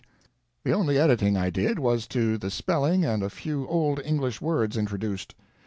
"The only editing I did was as to the spelling and a few old English words introduced.